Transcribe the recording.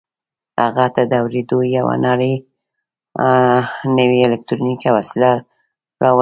هغه ته د اورېدلو یوه نوې الکټرونیکي وسیله را ورسېده